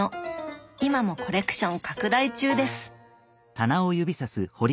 今もコレクション拡大中です。